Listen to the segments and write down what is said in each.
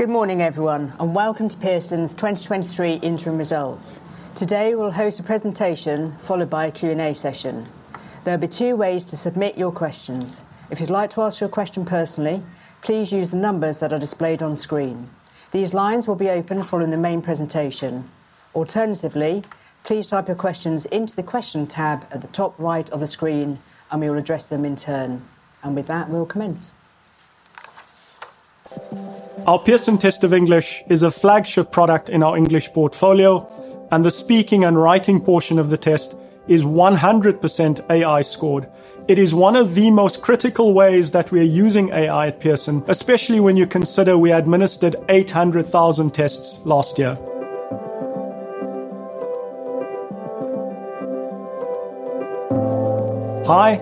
Good morning, everyone, welcome to Pearson's 2023 interim results. Today, we'll host a presentation followed by a Q&A session. There'll be two ways to submit your questions. If you'd like to ask your question personally, please use the numbers that are displayed on screen. These lines will be open following the main presentation. Alternatively, please type your questions into the question tab at the top right of the screen, we will address them in turn. With that, we'll commence. Our Pearson Test of English is a flagship product in our English portfolio, the speaking and writing portion of the test is 100% AI scored. It is one of the most critical ways that we are using AI at Pearson, especially when you consider we administered 800,000 tests last year. Hi,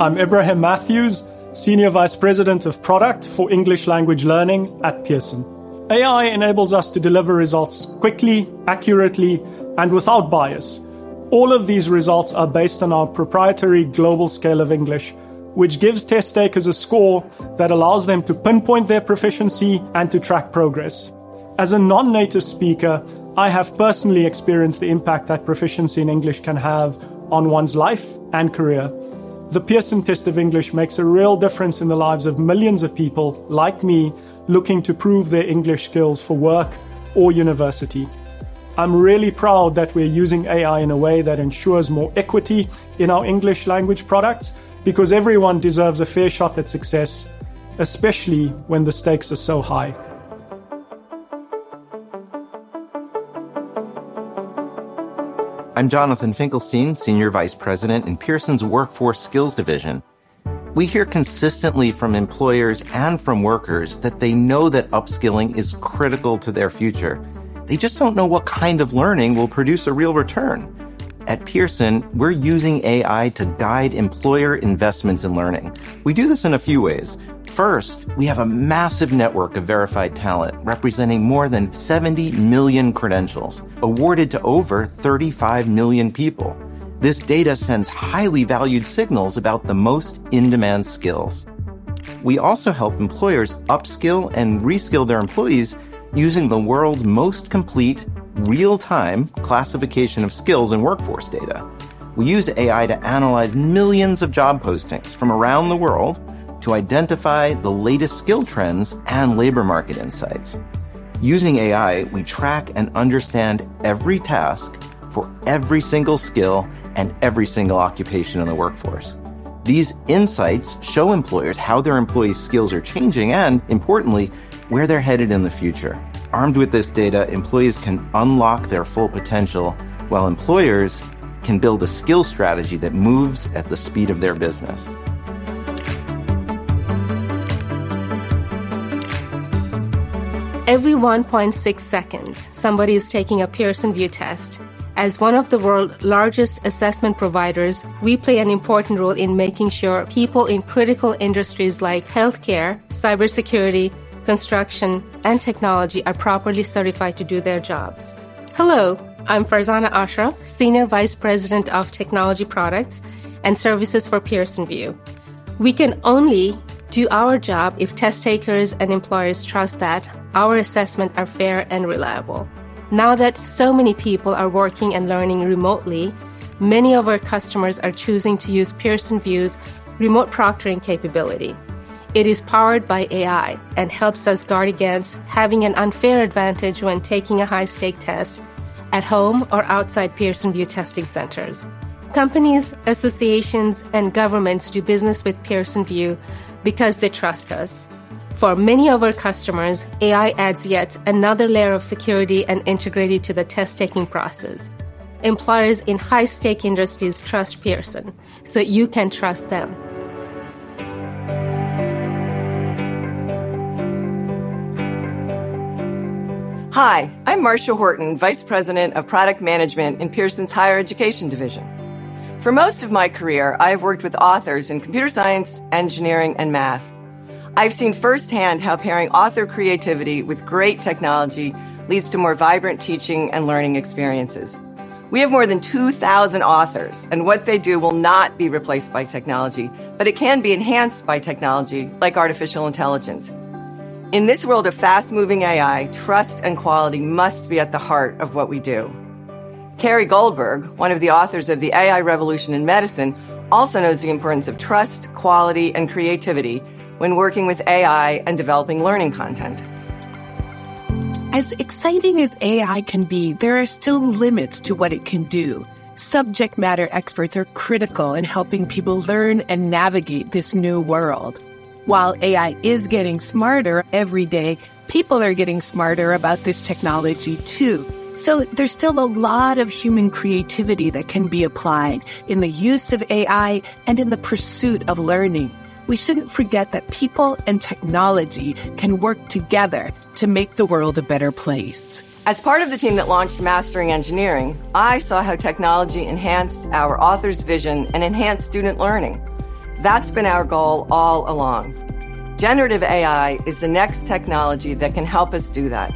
I'm Ebrahim Matthews, Senior Vice President of Product for English Language Learning at Pearson. AI enables us to deliver results quickly, accurately, and without bias. All of these results are based on our proprietary Global Scale of English, which gives test takers a score that allows them to pinpoint their proficiency and to track progress. As a non-native speaker, I have personally experienced the impact that proficiency in English can have on one's life and career. The Pearson Test of English makes a real difference in the lives of millions of people, like me, looking to prove their English skills for work or university. I'm really proud that we're using AI in a way that ensures more equity in our English language products, because everyone deserves a fair shot at success, especially when the stakes are so high. I'm Jonathan Finkelstein, Senior Vice President in Pearson's Workforce Skills Division. We hear consistently from employers and from workers that they know that upskilling is critical to their future. They just don't know what kind of learning will produce a real return. At Pearson, we're using AI to guide employer investments in learning. We do this in a few ways. First, we have a massive network of verified talent, representing more than 70 million credentials, awarded to over 35 million people. This data sends highly valued signals about the most in-demand skills. We also help employers upskill and reskill their employees using the world's most complete real-time classification of skills and workforce data. We use AI to analyze millions of job postings from around the world to identify the latest skill trends and labor market insights. Using AI, we track and understand every task for every single skill and every single occupation in the workforce. These insights show employers how their employees' skills are changing, and importantly, where they're headed in the future. Armed with this data, employees can unlock their full potential, while employers can build a skill strategy that moves at the speed of their business. Every 1.6 seconds, somebody is taking a Pearson VUE test. As one of the world's largest assessment providers, we play an important role in making sure people in critical industries like healthcare, cybersecurity, construction, and technology are properly certified to do their jobs. Hello, I'm Farzana Ashraf, Senior Vice President of Technology Products and Services for Pearson VUE. We can only do our job if test takers and employers trust that our assessment are fair and reliable. Now that so many people are working and learning remotely, many of our customers are choosing to use Pearson VUE's remote proctoring capability. It is powered by AI and helps us guard against having an unfair advantage when taking a high-stake test at home or outside Pearson VUE testing centers. Companies, associations, and governments do business with Pearson VUE because they trust us. For many of our customers, AI adds yet another layer of security and integrated to the test-taking process. Employers in high-stake industries trust Pearson, you can trust them. Hi, I'm Marsha Horton, Vice President of Product Management in Pearson's Higher Education Division. For most of my career, I've worked with authors in computer science, engineering, and math. I've seen firsthand how pairing author creativity with great technology leads to more vibrant teaching and learning experiences. We have more than 2,000 authors, what they do will not be replaced by technology, but it can be enhanced by technology like artificial intelligence. In this world of fast-moving AI, trust and quality must be at the heart of what we do. Carey Goldberg, one of the authors of The AI Revolution in Medicine, also knows the importance of trust, quality, and creativity when working with AI and developing learning content. As exciting as AI can be, there are still limits to what it can do. Subject matter experts are critical in helping people learn and navigate this new world. While AI is getting smarter every day, people are getting smarter about this technology, too. There's still a lot of human creativity that can be applied in the use of AI and in the pursuit of learning. We shouldn't forget that people and technology can work together to make the world a better place. As part of the team that launched Mastering Engineering, I saw how technology enhanced our authors' vision and enhanced student learning. That's been our goal all along. Generative AI is the next technology that can help us do that.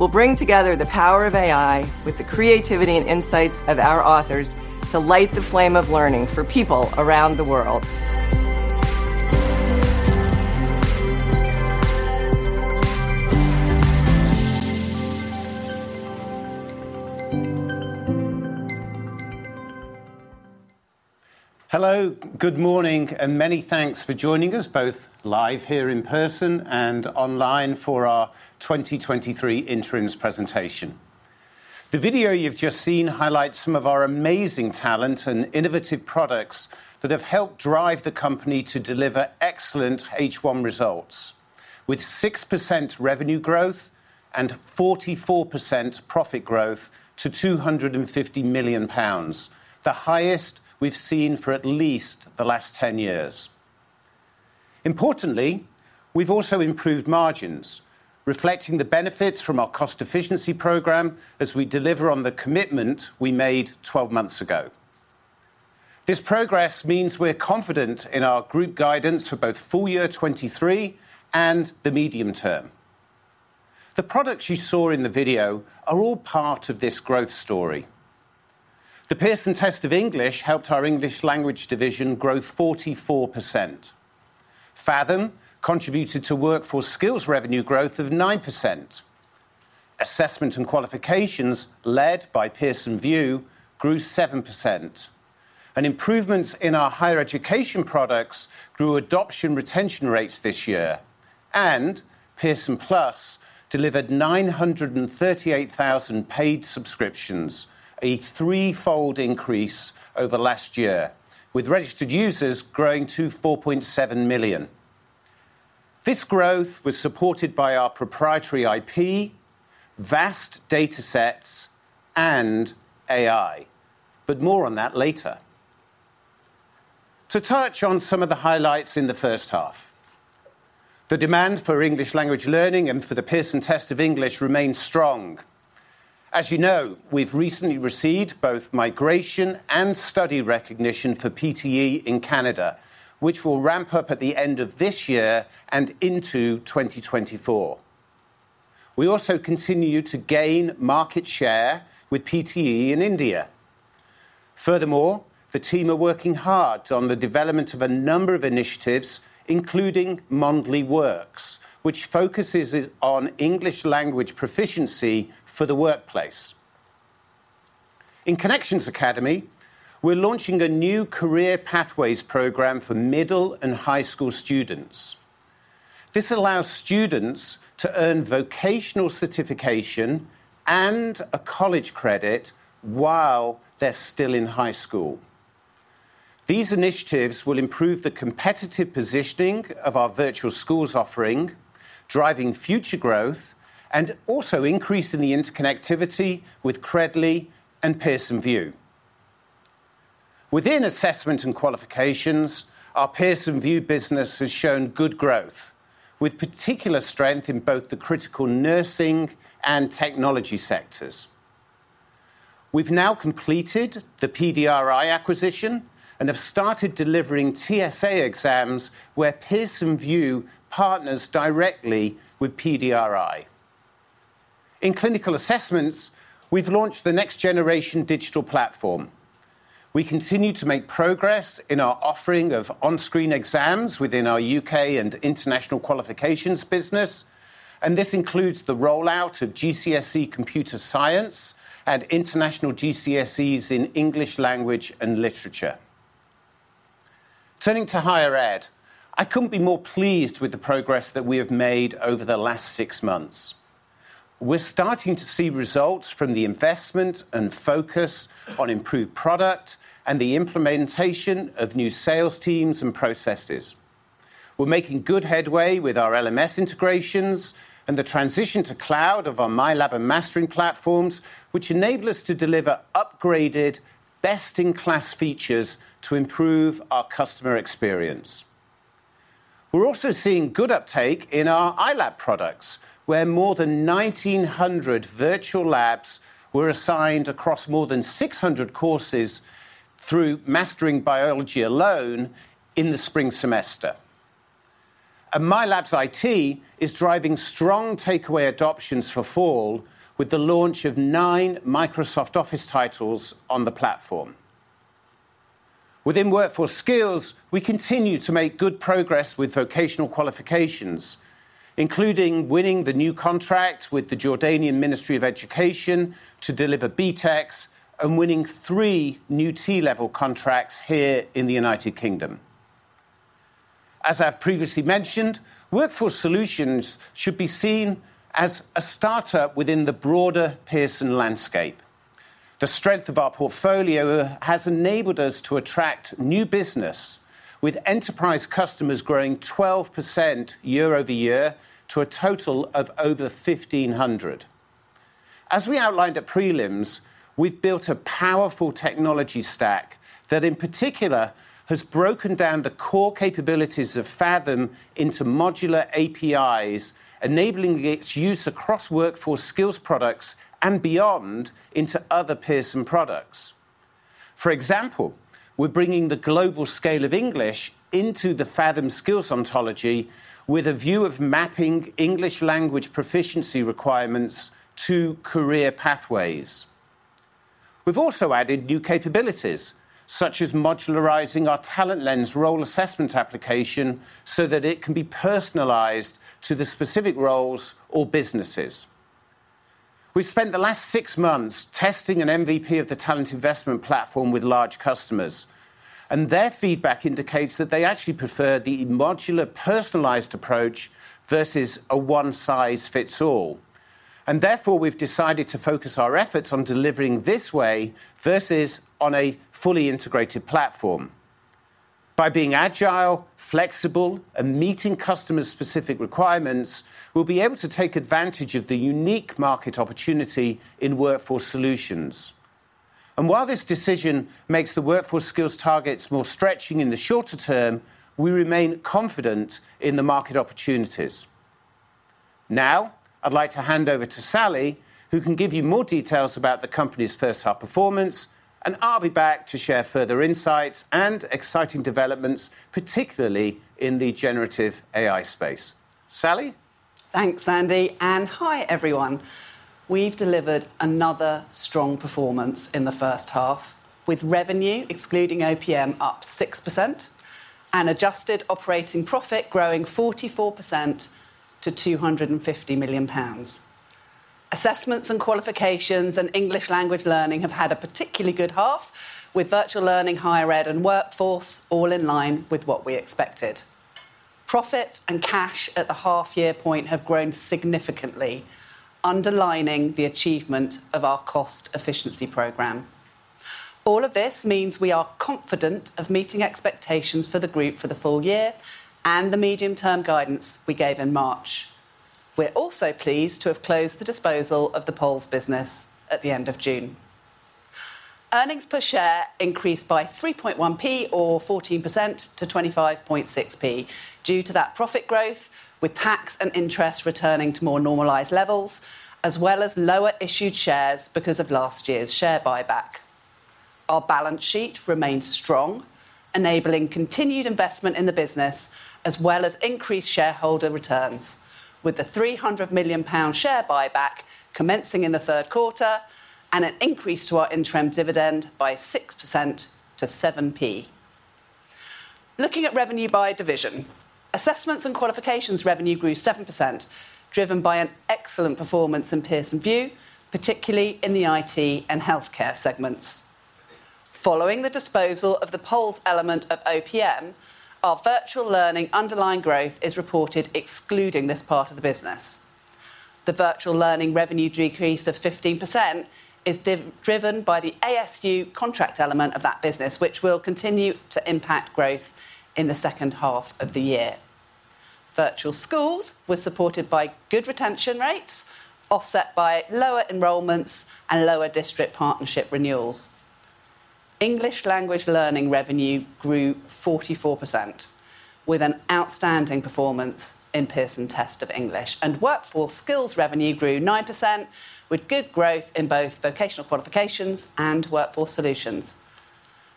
We'll bring together the power of AI with the creativity and insights of our authors to light the flame of learning for people around the world. Hello, good morning, many thanks for joining us, both live here in person and online for our 2023 interims presentation. The video you've just seen highlights some of our amazing talent and innovative products that have helped drive the company to deliver excellent H1 results, with 6% revenue growth and 44% profit growth to 250 million pounds, the highest we've seen for at least the last 10 years. Importantly, we've also improved margins, reflecting the benefits from our cost efficiency program as we deliver on the commitment we made 12 months ago. This progress means we're confident in our group guidance for both full year 2023 and the medium term. The products you saw in the video are all part of this growth story. The Pearson Test of English helped our English language division grow 44%. Faethm contributed to Workforce Skills revenue growth of 9%. Assessment and qualifications, led by Pearson VUE, grew 7%. Improvements in our Higher Education products grew adoption retention rates this year. Pearson+ delivered 938,000 paid subscriptions, a threefold increase over last year, with registered users growing to 4.7 million. This growth was supported by our proprietary IP, vast datasets, and AI. More on that later. To touch on some of the highlights in the first half, the demand for English language learning and for the Pearson Test of English remains strong. As you know, we've recently received both migration and study recognition for PTE in Canada, which will ramp up at the end of this year and into 2024. We also continue to gain market share with PTE in India. Furthermore, the team are working hard on the development of a number of initiatives, including Mondly Works, which focuses on English language proficiency for the workplace. In Connections Academy, we're launching a new career pathways program for middle and high school students. This allows students to earn vocational certification and a college credit while they're still in high school. These initiatives will improve the competitive positioning of our virtual schools offering, driving future growth and also increasing the interconnectivity with Credly and Pearson VUE. Within assessment and qualifications, our Pearson VUE business has shown good growth, with particular strength in both the critical nursing and technology sectors. We've now completed the PDRI acquisition and have started delivering TSA exams, where Pearson VUE partners directly with PDRI. In clinical assessments, we've launched the next generation digital platform. We continue to make progress in our offering of on-screen exams within our UK and international qualifications business. This includes the rollout of GCSE Computer Science and International GCSEs in English Language and Literature. Turning to Higher Ed, I couldn't be more pleased with the progress that we have made over the last six months. We're starting to see results from the investment and focus on improved product and the implementation of new sales teams and processes. We're making good headway with our LMS integrations and the transition to cloud of our MyLab and Mastering platforms, which enable us to deliver upgraded, best-in-class features to improve our customer experience. We're also seeing good uptake in our iLab products, where more than 1,900 virtual labs were assigned across more than 600 courses through Mastering Biology alone in the spring semester. MyLab IT is driving strong takeaway adoptions for fall, with the launch of nine Microsoft Office titles on the platform. Within Workforce Skills, we continue to make good progress with vocational qualifications, including winning the new contract with the Jordanian Ministry of Education to deliver BTEC and winning three new T Level contracts here in the United Kingdom. As I've previously mentioned, Workforce Solutions should be seen as a startup within the broader Pearson landscape. The strength of our portfolio has enabled us to attract new business, with enterprise customers growing 12% year-over-year to a total of over 1,500. As we outlined at Prelims, we've built a powerful technology stack that, in particular, has broken down the core capabilities of Faethm into modular APIs, enabling its use across Workforce Skills products and beyond into other Pearson products. For example, we're bringing the Global Scale of English into the Faethm skills ontology with a view of mapping English language proficiency requirements to career pathways. We've also added new capabilities, such as modularizing our TalentLens role assessment application, so that it can be personalized to the specific roles or businesses. We've spent the last six months testing an MVP of the talent investment platform with large customers, and their feedback indicates that they actually prefer the modular, personalized approach versus a one-size-fits-all. Therefore, we've decided to focus our efforts on delivering this way versus on a fully integrated platform. By being agile, flexible, and meeting customers' specific requirements, we'll be able to take advantage of the unique market opportunity in workforce solutions. While this decision makes the Workforce Skills targets more stretching in the shorter term, we remain confident in the market opportunities. Now, I'd like to hand over to Sally, who can give you more details about the company's first half performance, and I'll be back to share further insights and exciting developments, particularly in the generative AI space. Sally? Thanks, Andy, hi, everyone. We've delivered another strong performance in the first half, with revenue, excluding OPM, up 6% and adjusted operating profit growing 44% to 250 million pounds. Assessments and Qualifications and English Language Learning have had a particularly good half, with virtual learning, Higher Ed, and Workforce all in line with what we expected. Profit and cash at the half-year point have grown significantly, underlining the achievement of our cost efficiency program. This means we are confident of meeting expectations for the group for the full year and the medium-term guidance we gave in March. We're also pleased to have closed the disposal of the POLS business at the end of June. Earnings per share increased by 3.1p or 14% to 25.6p, due to that profit growth, with tax and interest returning to more normalized levels, as well as lower issued shares because of last year's share buyback. Our balance sheet remains strong, enabling continued investment in the business, as well as increased shareholder returns, with the 300 million pound share buyback commencing in the Q3 and an increase to our interim dividend by 6% to 7p. Looking at revenue by division. Assessments and qualifications revenue grew 7%, driven by an excellent performance in Pearson VUE, particularly in the IT and healthcare segments. Following the disposal of the POLS element of OPM, our virtual learning underlying growth is reported excluding this part of the business. The virtual learning revenue decrease of 15% is driven by the ASU contract element of that business, which will continue to impact growth in the second half of the year. Virtual schools were supported by good retention rates, offset by lower enrollments and lower district partnership renewals. English language learning revenue grew 44%, with an outstanding performance in Pearson Test of English. Workforce Skills revenue grew 9%, with good growth in both vocational qualifications and workforce solutions.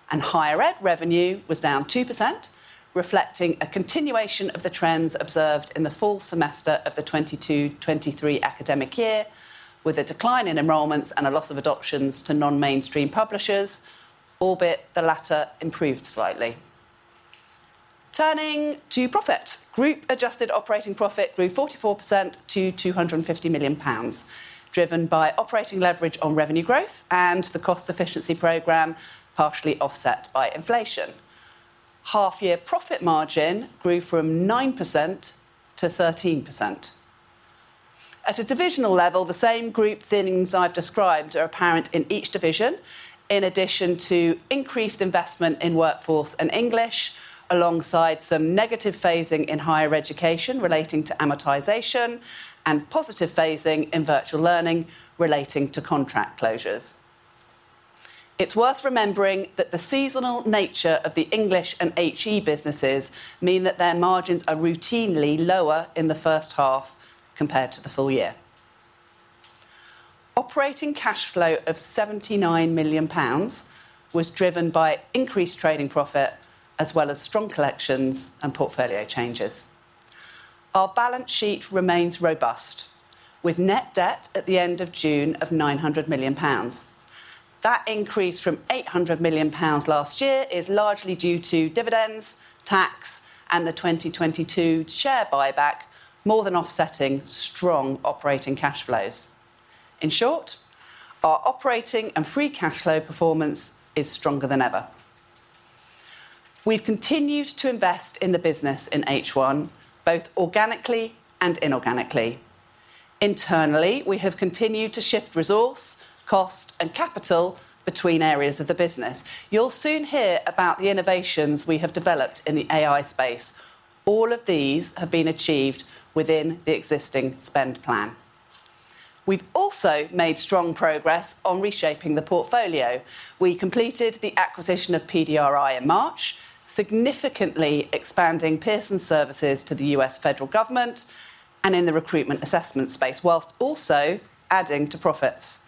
Higher Education revenue was down 2%, reflecting a continuation of the trends observed in the fall semester of the 2022-2023 academic year, with a decline in enrollments and a loss of adoptions to non-mainstream publishers, albeit the latter improved slightly. Turning to profit. Group adjusted operating profit grew 44% to 250 million pounds, driven by operating leverage on revenue growth and the cost efficiency program, partially offset by inflation. Half-year profit margin grew from 9% to 13%. At a divisional level, the same group things I've described are apparent in each division, in addition to increased investment in workforce and English, alongside some negative phasing in Higher Education relating to amortization and positive phasing in virtual learning relating to contract closures. It's worth remembering that the seasonal nature of the English and H.E. businesses mean that their margins are routinely lower in the first half compared to the full year. Operating cash flow of 79 million pounds was driven by increased trading profit, as well as strong collections and portfolio changes. Our balance sheet remains robust, with net debt at the end of June of 900 million pounds. That increase from 800 million pounds last year is largely due to dividends, tax, and the 2022 share buyback, more than offsetting strong operating cash flows. In short, our operating and free cash flow performance is stronger than ever. We've continued to invest in the business in H1, both organically and inorganically. Internally, we have continued to shift resource, cost, and capital between areas of the business. You'll soon hear about the innovations we have developed in the AI space. All of these have been achieved within the existing spend plan. We've also made strong progress on reshaping the portfolio. We completed the acquisition of PDRI in March, significantly expanding Pearson services to the U.S. federal government and in the recruitment assessment space, whilst also adding to profits.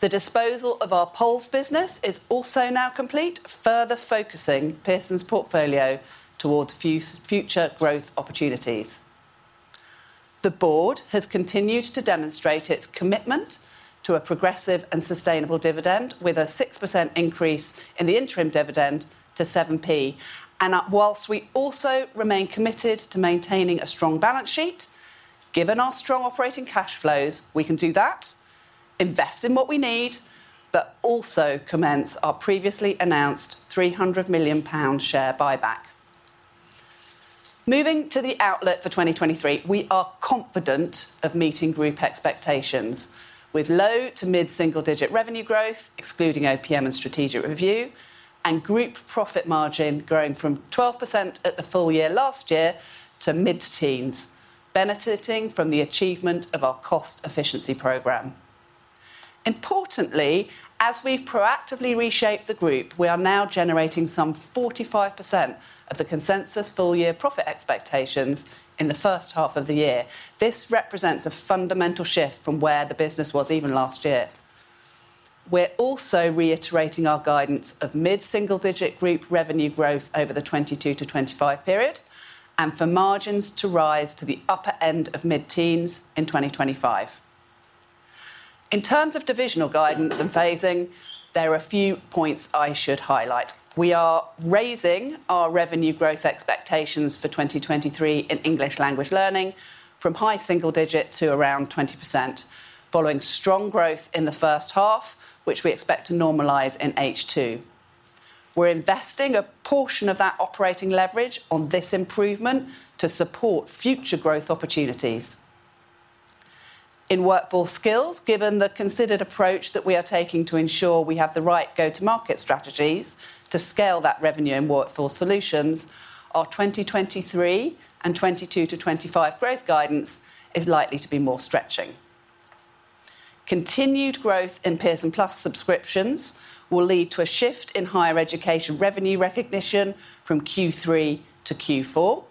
The disposal of our POLS business is also now complete, further focusing Pearson's portfolio towards future growth opportunities. The board has continued to demonstrate its commitment to a progressive and sustainable dividend, with a 6% increase in the interim dividend to 7p. Whilst we also remain committed to maintaining a strong balance sheet, given our strong operating cash flows, we can do that, invest in what we need, but also commence our previously announced 300 million pound share buyback. Moving to the outlook for 2023, we are confident of meeting group expectations, with low to mid-single-digit revenue growth, excluding OPM and strategic review, and group profit margin growing from 12% at the full year last year to mid-teens, benefiting from the achievement of our cost efficiency program. Importantly, as we've proactively reshaped the group, we are now generating some 45% of the consensus full-year profit expectations in the first half of the year. This represents a fundamental shift from where the business was even last year. We're also reiterating our guidance of mid-single-digit group revenue growth over the 2022-2025 period and for margins to rise to the upper end of mid-teens in 2025. In terms of divisional guidance and phasing, there are a few points I should highlight. We are raising our revenue growth expectations for 2023 in English Language Learning from high single-digit to around 20%, following strong growth in the first half, which we expect to normalize in H2. We're investing a portion of that operating leverage on this improvement to support future growth opportunities. In Workforce Skills, given the considered approach that we are taking to ensure we have the right go-to-market strategies to scale that revenue and workforce solutions, our 2023 and 2022-2025 growth guidance is likely to be more stretching. Continued growth in Pearson+ subscriptions will lead to a shift in Higher Education revenue recognition from Q3 to Q4.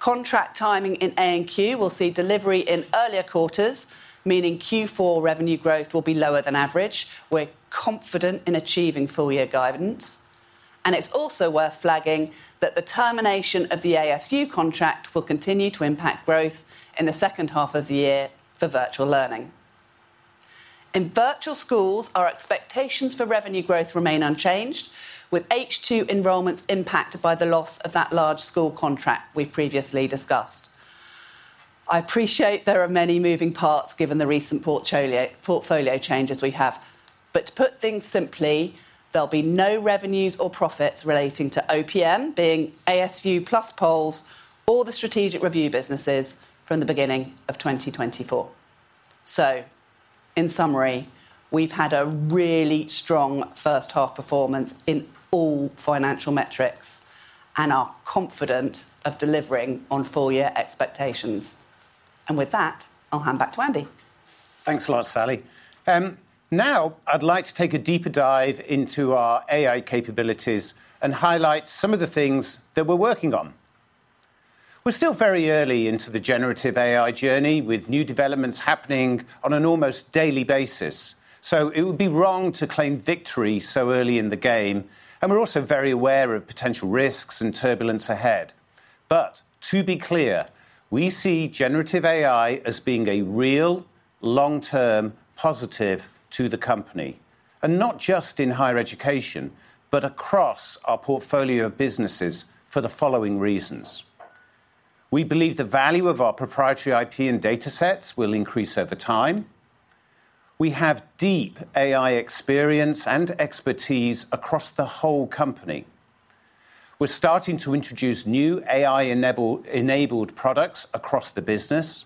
Contract timing in A&Q will see delivery in earlier quarters, meaning Q4 revenue growth will be lower than average. We're confident in achieving full year guidance, it's also worth flagging that the termination of the ASU contract will continue to impact growth in the second half of the year for virtual learning. In virtual schools, our expectations for revenue growth remain unchanged, with H2 enrollments impacted by the loss of that large school contract we've previously discussed. I appreciate there are many moving parts given the recent portfolio changes we have. To put things simply, there'll be no revenues or profits relating to OPM, being ASU plus polls or the strategic review businesses from the beginning of 2024. In summary, we've had a really strong first half performance in all financial metrics and are confident of delivering on full year expectations. With that, I'll hand back to Andy. Thanks a lot, Sally. Now I'd like to take a deeper dive into our AI capabilities and highlight some of the things that we're working on. We're still very early into the generative AI journey, with new developments happening on an almost daily basis. It would be wrong to claim victory so early in the game, and we're also very aware of potential risks and turbulence ahead. To be clear, we see generative AI as being a real long-term positive to the company, and not just in Higher Education, but across our portfolio of businesses for the following reasons. We believe the value of our proprietary IP and datasets will increase over time. We have deep AI experience and expertise across the whole company. We're starting to introduce new AI enabled products across the business,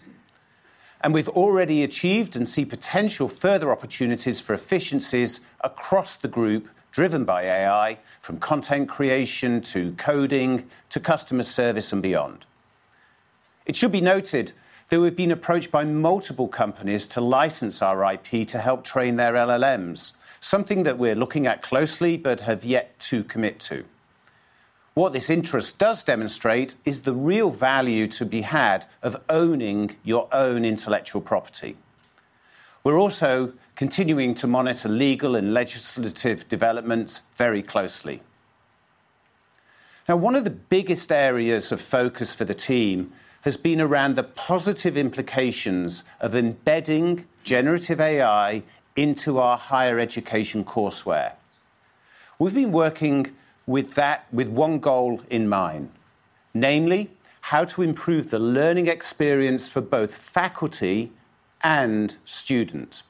we've already achieved and see potential further opportunities for efficiencies across the group, driven by AI, from content creation to coding, to customer service and beyond. It should be noted that we've been approached by multiple companies to license our IP to help train their LLMs, something that we're looking at closely but have yet to commit to. What this interest does demonstrate is the real value to be had of owning your own intellectual property. We're also continuing to monitor legal and legislative developments very closely. One of the biggest areas of focus for the team has been around the positive implications of embedding generative AI into our higher education courseware. We've been working with that with one goal in mind, namely, how to improve the learning experience for both faculty and student.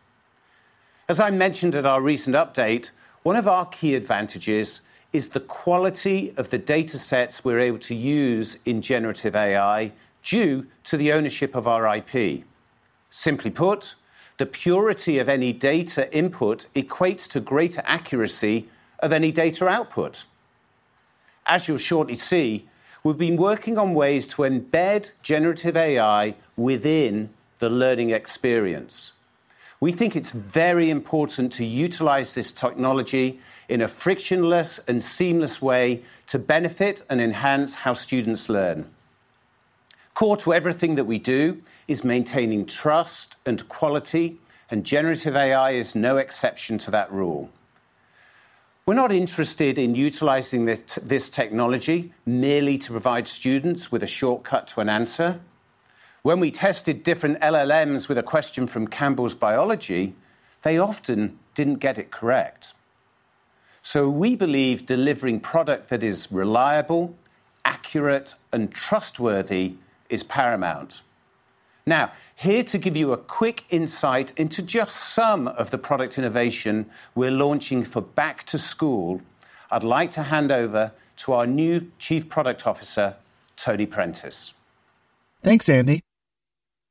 As I mentioned at our recent update, one of our key advantages is the quality of the datasets we're able to use in generative AI due to the ownership of our IP. Simply put, the purity of any data input equates to greater accuracy of any data output. As you'll shortly see, we've been working on ways to embed generative AI within the learning experience. We think it's very important to utilize this technology in a frictionless and seamless way to benefit and enhance how students learn. Core to everything that we do is maintaining trust and quality, and generative AI is no exception to that rule. We're not interested in utilizing this, this technology merely to provide students with a shortcut to an answer. When we tested different LLMs with a question from Campbell Biology, they often didn't get it correct. We believe delivering product that is reliable, accurate, and trustworthy is paramount. Now, here to give you a quick insight into just some of the product innovation we're launching for back to school, I'd like to hand over to our new Chief Product Officer, Tony Prentice. Thanks, Andy.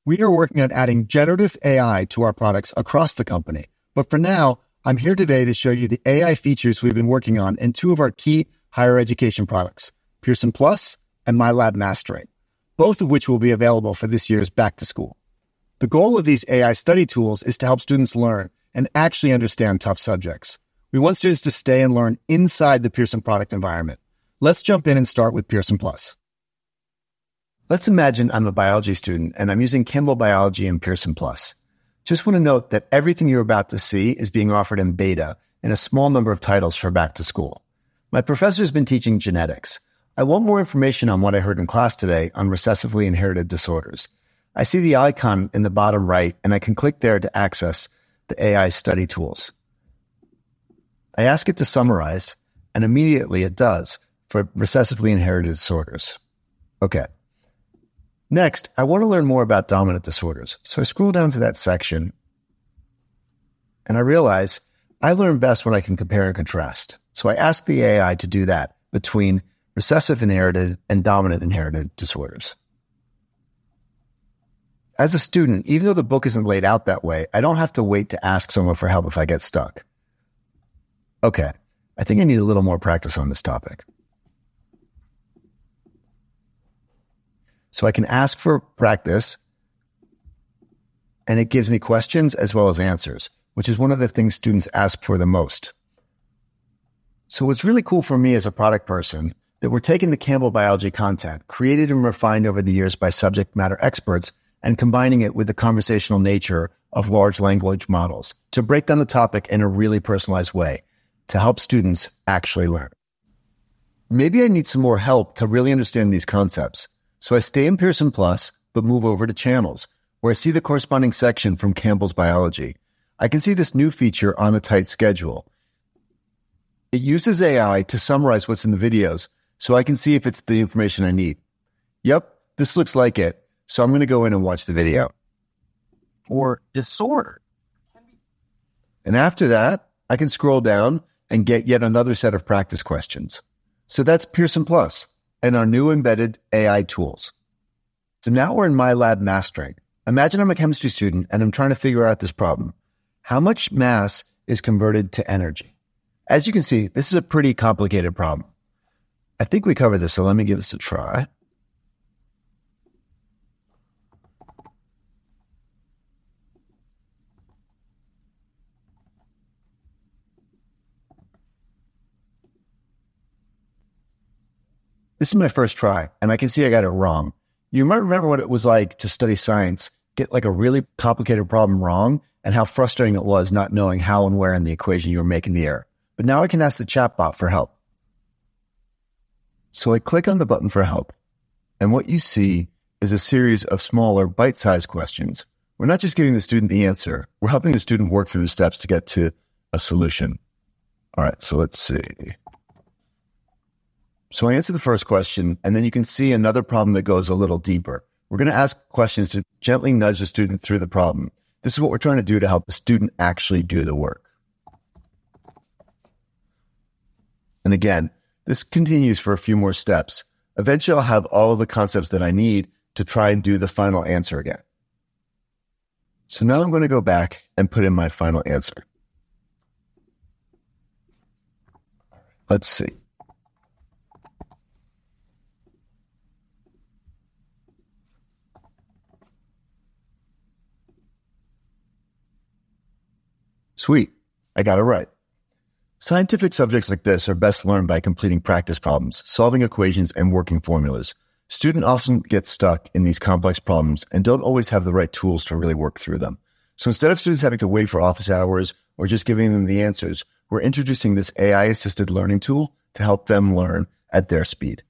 We are working on adding generative AI to our products across the company, but for now, I'm here today to show you the AI features we've been working on in two of our key Higher Education products, Pearson+ and MyLab Mastering, both of which will be available for this year's back to school. The goal of these AI study tools is to help students learn and actually understand tough subjects. We want students to stay and learn inside the Pearson product environment. Let's jump in and start with Pearson+. Let's imagine I'm a biology student, and I'm using Campbell Biology in Pearson+. Just wanna note that everything you're about to see is being offered in beta in a small number of titles for back to school. My professor's been teaching genetics. I want more information on what I heard in class today on recessively inherited disorders. I see the icon in the bottom right, and I can click there to access the AI study tools. I ask it to summarize, and immediately it does for recessively inherited disorders. Next, I wanna learn more about dominant disorders, so I scroll down to that section, and I realize I learn best when I can compare and contrast. I ask the AI to do that between recessive inherited and dominant inherited disorders. As a student, even though the book isn't laid out that way, I don't have to wait to ask someone for help if I get stuck. I think I need a little more practice on this topic. I can ask for practice, and it gives me questions as well as answers, which is one of the things students ask for the most. What's really cool for me as a product person, that we're taking the Campbell Biology content, created and refined over the years by subject matter experts, and combining it with the conversational nature of large language models to break down the topic in a really personalized way, to help students actually learn. Maybe I need some more help to really understand these concepts. I stay in Pearson+, but move over to Channels, where I see the corresponding section from Campbell's Biology. I can see this new feature on a tight schedule. It uses AI to summarize what's in the videos, so I can see if it's the information I need. Yep, this looks like it, so I'm gonna go in and watch the video. disorder. After that, I can scroll down and get yet another set of practice questions. That's Pearson+ and our new embedded AI tools. Now we're in MyLab Mastering. Imagine I'm a chemistry student, and I'm trying to figure out this problem: how much mass is converted to energy? As you can see, this is a pretty complicated problem. I think we covered this, so let me give this a try. This is my first try, and I can see I got it wrong. You might remember what it was like to study science, get, like, a really complicated problem wrong, and how frustrating it was not knowing how and where in the equation you were making the error. Now I can ask the chatbot for help. I click on the button for help, and what you see is a series of smaller, bite-sized questions. We're not just giving the student the answer, we're helping the student work through the steps to get to a solution. All right, let's see. I answer the first question, and then you can see another problem that goes a little deeper. We're gonna ask questions to gently nudge the student through the problem. This is what we're trying to do to help the student actually do the work. Again, this continues for a few more steps. Eventually, I'll have all of the concepts that I need to try and do the final answer again. Now I'm gonna go back and put in my final answer. Let's see. Sweet, I got it right! Scientific subjects like this are best learned by completing practice problems, solving equations, and working formulas. Student often gets stuck in these complex problems and don't always have the right tools to really work through them. Instead of students having to wait for office hours or just giving them the answers, we're introducing this AI-assisted learning tool to help them learn at their speed.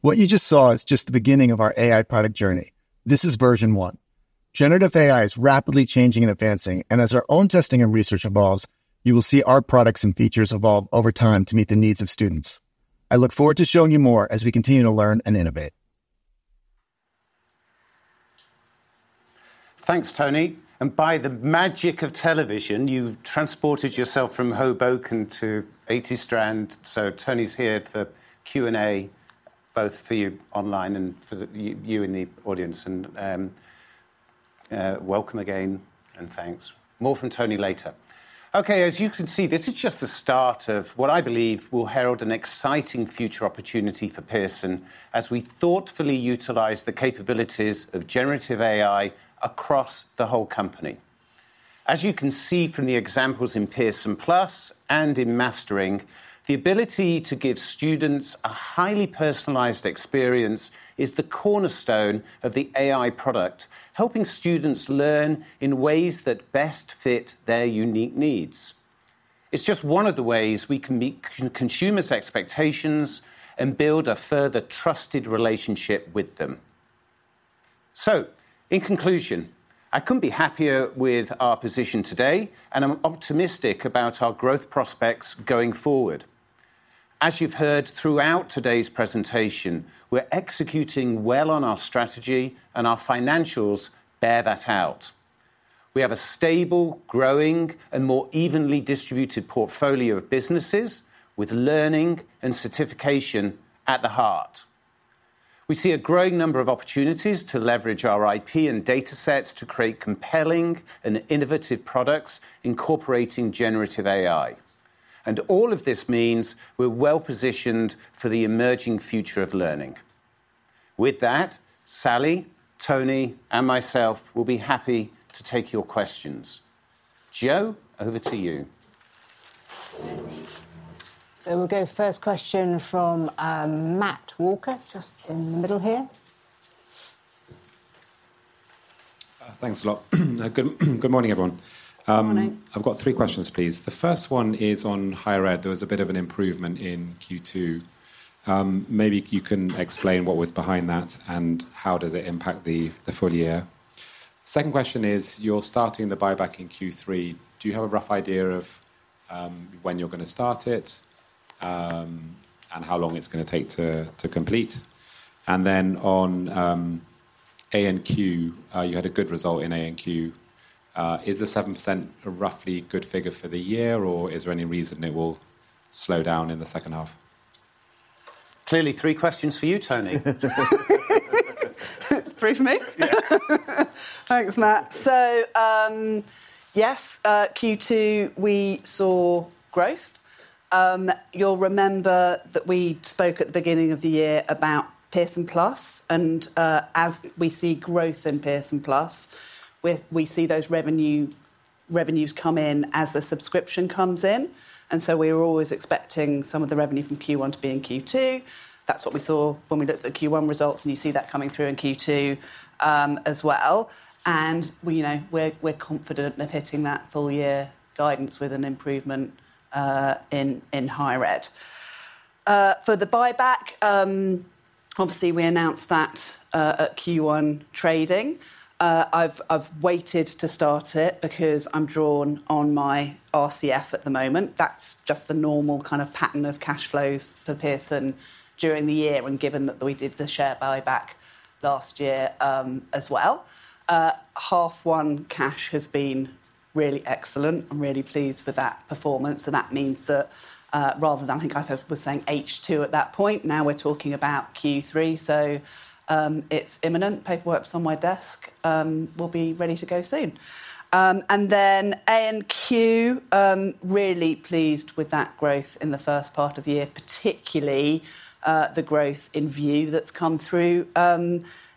What you just saw is just the beginning of our AI product journey. This is version one. Generative AI is rapidly changing and advancing, and as our own testing and research evolves, you will see our products and features evolve over time to meet the needs of students. I look forward to showing you more as we continue to learn and innovate. Thanks, Tony. By the magic of television, you transported yourself from Hoboken to 80 Strand. Tony's here for Q&A, both for you online and for the you in the audience, and welcome again, and thanks. More from Tony later. As you can see, this is just the start of what I believe will herald an exciting future opportunity for Pearson as we thoughtfully utilize the capabilities of generative AI across the whole company. As you can see from the examples in Pearson+ and in Mastering, the ability to give students a highly personalized experience is the cornerstone of the AI product, helping students learn in ways that best fit their unique needs... It's just one of the ways we can meet consumers' expectations and build a further trusted relationship with them. In conclusion, I couldn't be happier with our position today, and I'm optimistic about our growth prospects going forward. As you've heard throughout today's presentation, we're executing well on our strategy, and our financials bear that out. We have a stable, growing, and more evenly distributed portfolio of businesses with learning and certification at the heart. We see a growing number of opportunities to leverage our IP and datasets to create compelling and innovative products, incorporating generative AI. All of this means we're well-positioned for the emerging future of learning. With that, Sally, Tony, and myself will be happy to take your questions. Jo, over to you. We'll go first question from, Matt Walker, just in the middle here. Thanks a lot. Good, good morning, everyone. Good morning. I've got three questions, please. The first one is on Higher Ed. There was a bit of an improvement in Q2. Maybe you can explain what was behind that and how does it impact the, the full year? Second question is: You're starting the buyback in Q3. Do you have a rough idea of, when you're gonna start it, and how long it's gonna take to, to complete? Then on A&Q, you had a good result in A&Q. Is the 7% a roughly good figure for the year, or is there any reason it will slow down in the second half? Clearly, three questions for you, Tony. 3 for me? Yeah. Thanks, Matt. Yes, Q2, we saw growth. You'll remember that we spoke at the beginning of the year about Pearson+, and as we see growth in Pearson+, we, we see those revenue- revenues come in as the subscription comes in, and so we're always expecting some of the revenue from Q1 to be in Q2. That's what we saw when we looked at the Q1 results, and you see that coming through in Q2 as well, and we, you know, we're, we're confident of hitting that full year guidance with an improvement in Higher Ed. For the buyback, obviously, we announced that at Q1 trading. I've, I've waited to start it because I'm drawn on my RCF at the moment. That's just the normal kind of pattern of cash flows for Pearson during the year and given that we did the share buyback last year, as well. H1 cash has been really excellent. I'm really pleased with that performance, and that means that, rather than I think I was saying H2 at that point, now we're talking about Q3, so, it's imminent. Paperwork's on my desk. We'll be ready to go soon. Then A&Q, really pleased with that growth in the first part of the year, particularly, the growth in Pearson VUE that's come through,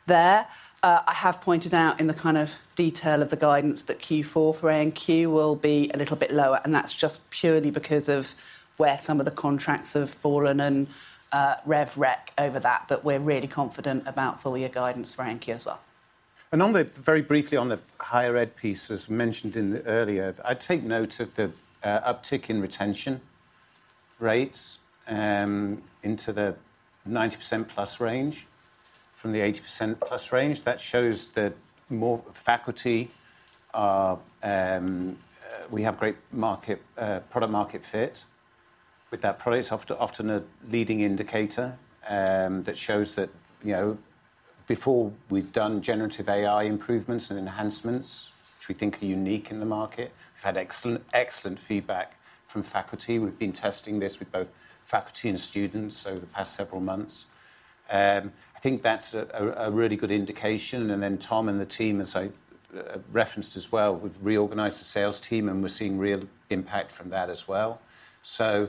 there. I have pointed out in the kind of detail of the guidance that Q4 for A&Q will be a little bit lower, and that's just purely because of where some of the contracts have fallen and, RevRec over that, but we're really confident about full year guidance for A&Q as well. On the very briefly on the Higher Education piece, as mentioned in the earlier, I'd take note of the uptick in retention rates into the 90%+ range from the 80%+ range. That shows that more faculty, we have great market product-market fit with our products, often, often a leading indicator, that shows that, you know, before we've done generative AI improvements and enhancements, which we think are unique in the market. We've had excellent, excellent feedback from faculty. We've been testing this with both faculty and students over the past several months. I think that's a really good indication, and then Tom and the team, as I referenced as well, we've reorganized the sales team, and we're seeing real impact from that as well. You know,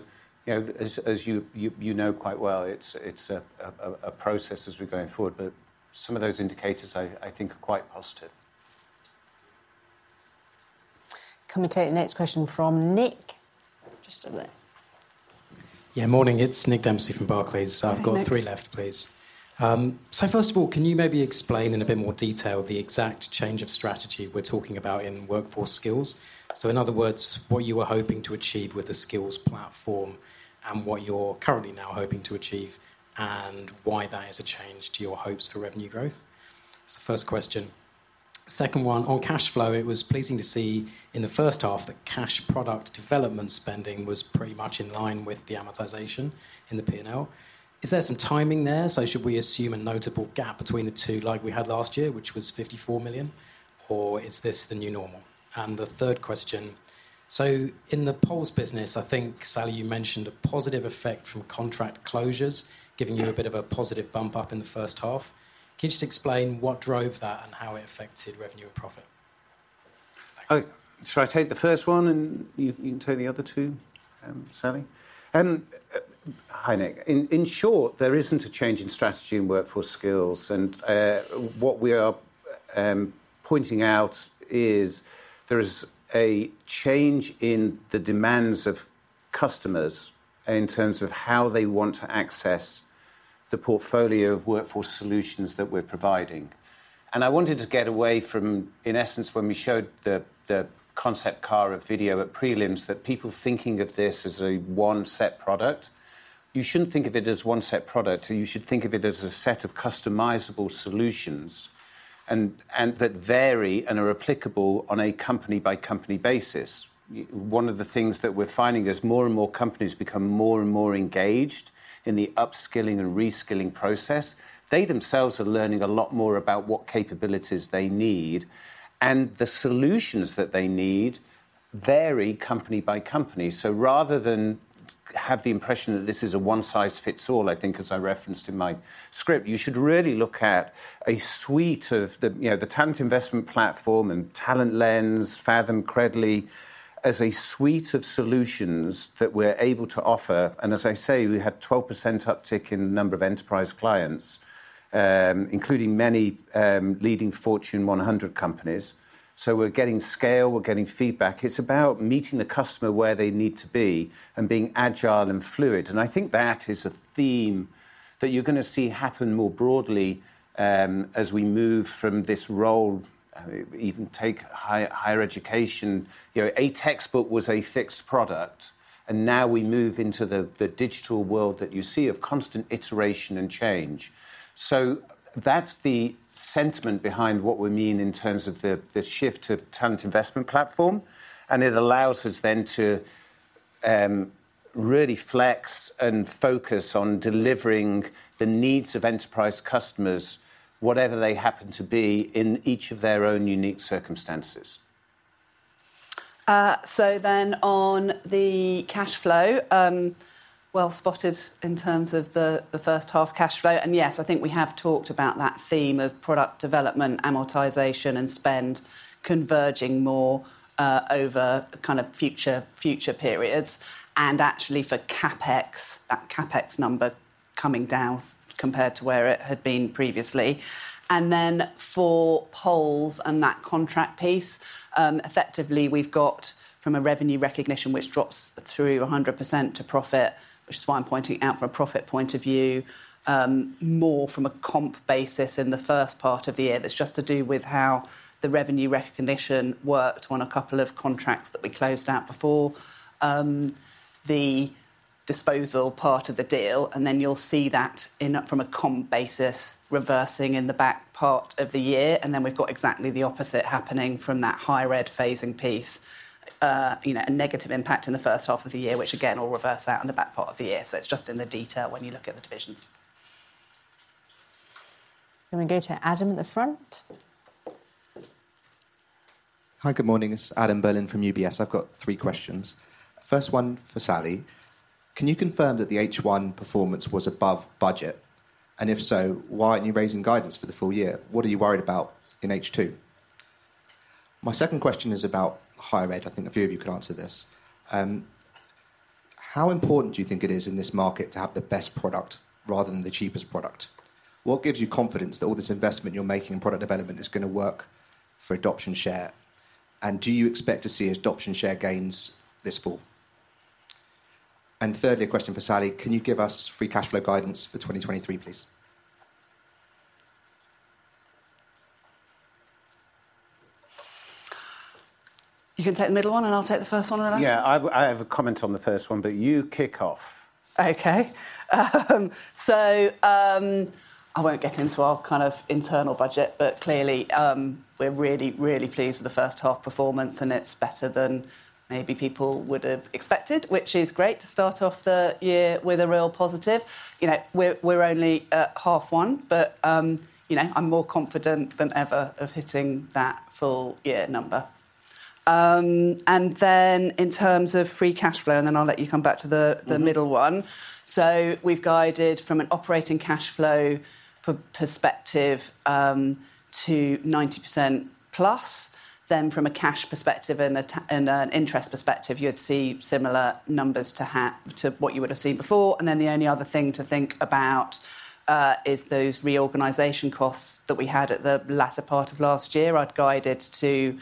as you know quite well, it's a process as we're going forward, but some of those indicators, I think, are quite positive. Can we take the next question from Nick? Just a minute. Yeah, morning. It's Nick Dempsey from Barclays. Hi, Nick. I've got three left, please. First of all, can you maybe explain in a bit more detail the exact change of strategy we're talking about in Workforce Skills? In other words, what you were hoping to achieve with the skills platform and what you're currently now hoping to achieve, and why that is a change to your hopes for revenue growth? It's the first question. Second one, on cash flow, it was pleasing to see in the first half that cash product development spending was pretty much in line with the amortization in the P&L. Is there some timing there? Should we assume a notable gap between the two, like we had last year, which was 54 million, or is this the new normal? The third question: in the polls business, I think, Sally, you mentioned a positive effect from contract closures giving you a bit of a positive bump up in the first half. Can you just explain what drove that and how it affected revenue and profit? Thanks. Oh, shall I take the first one, and you, you can take the other two, Sally? Hi, Nick. In short, there isn't a change in strategy in Workforce Skills, what we are pointing out is there is a change in the demands of customers in terms of how they want to access the portfolio of workforce solutions that we're providing. I wanted to get away from, in essence, when we showed the, the concept car of video at prelims, that people thinking of this as a one set product. You shouldn't think of it as one set product, you should think of it as a set of customizable solutions, and that vary and are applicable on a company-by-company basis. One of the things that we're finding as more and more companies become more and more engaged in the upskilling and reskilling process, they themselves are learning a lot more about what capabilities they need, and the solutions that they need vary company by company. Rather than have the impression that this is a one-size-fits-all, I think as I referenced in my script, you should really look at a suite of the, you know, the Workforce Skills talent investment platform, and TalentLens, Faethm, Credly, as a suite of solutions that we're able to offer. And as I say, we had 12% uptick in the number of enterprise clients, including many leading Fortune 100 companies. We're getting scale, we're getting feedback. It's about meeting the customer where they need to be and being agile and fluid. I think that is a theme that you're gonna see happen more broadly, as we move from this role, even take higher, higher education. You know, a textbook was a fixed product, and now we move into the, the digital world that you see of constant iteration and change. That's the sentiment behind what we mean in terms of the, the shift to talent investment platform, and it allows us then to really flex and focus on delivering the needs of enterprise customers, whatever they happen to be, in each of their own unique circumstances. On the cash flow, well spotted in terms of the, the first half cash flow, and yes, I think we have talked about that theme of product development, amortization, and spend converging more over kind of future, future periods. Actually, for CapEx, that CapEx number coming down compared to where it had been previously. For poles and that contract piece, effectively, we've got from a revenue recognition, which drops through 100% to profit, which is why I'm pointing out from a profit point of view, more from a comp basis in the first part of the year. That's just to do with how the revenue recognition worked on a couple of contracts that we closed out before the disposal part of the deal, and then you'll see that in, from a comp basis, reversing in the back part of the year. We've got exactly the opposite happening from that Higher Ed phasing piece. You know, a negative impact in the first half of the year, which again, will reverse out in the back part of the year. It's just in the detail when you look at the divisions. Can we go to Adam at the front? Hi, good morning. It's Adam Berlin from UBS. I've got three questions. First one for Sally: Can you confirm that the H1 performance was above budget? If so, why aren't you raising guidance for the full year? What are you worried about in H2? My second question is about Higher Ed. I think a few of you could answer this. How important do you think it is in this market to have the best product rather than the cheapest product? What gives you confidence that all this investment you're making in product development is gonna work for adoption share? Do you expect to see adoption share gains this fall? Thirdly, a question for Sally: Can you give us free cash flow guidance for 2023, please? You can take the middle one, and I'll take the first one and the last? Yeah, I have a comment on the first one, but you kick off. Okay. I won't get into our kind of internal budget, but clearly, we're really, really pleased with the 1st half performance, and it's better than maybe people would have expected, which is great to start off the year with a real positive. You know, we're, we're only at 1st half, but, you know, I'm more confident than ever of hitting that full year number. In terms of free cash flow, I'll let you come back to the, the- Mm-hmm. middle one. We've guided from an operating cash flow perspective to 90%+ then from a cash perspective and an interest perspective, you'd see similar numbers to what you would have seen before. The only other thing to think about is those reorganization costs that we had at the latter part of last year. I'd guided to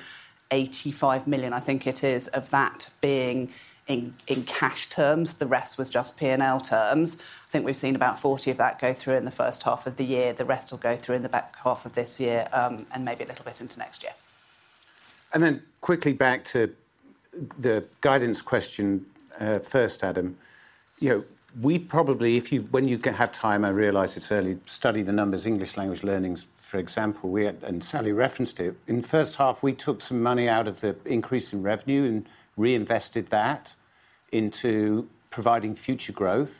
85 million, I think it is, of that being in cash terms. The rest was just P&L terms. I think we've seen about 40 million of that go through in the first half of the year. The rest will go through in the back half of this year and maybe a little bit into next year. Then quickly back to the guidance question, first, Adam. You know, we probably, if you when you have time, I realize it's early, study the numbers, English language learnings, for example. Sally referenced it. In the first half, we took some money out of the increase in revenue and reinvested that into providing future growth,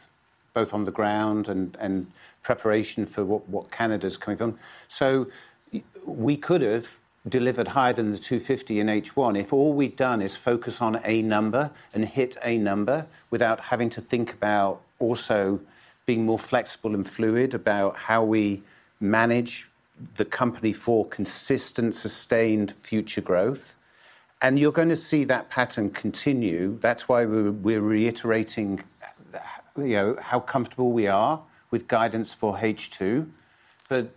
both on the ground and preparation for what Canada's coming from. We could have delivered higher than 250 in H1 if all we'd done is focus on a number and hit a number without having to think about also being more flexible and fluid about how we manage the company for consistent, sustained future growth. You're gonna see that pattern continue. That's why we're, we're reiterating, you know, how comfortable we are with guidance for H2.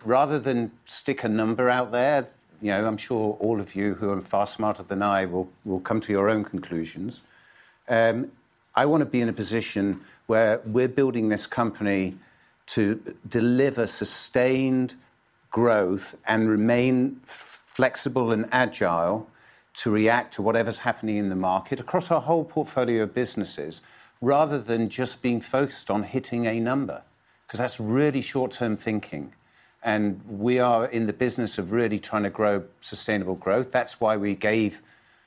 Rather than stick a number out there, you know, I'm sure all of you who are far smarter than I will, will come to your own conclusions. I wanna be in a position where we're building this company to deliver sustained growth and remain flexible and agile to react to whatever's happening in the market across our whole portfolio of businesses, rather than just being focused on hitting a number, 'cause that's really short-term thinking. We are in the business of really trying to grow sustainable growth. That's why we gave